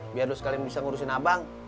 biar sekalian bisa ngurusin abang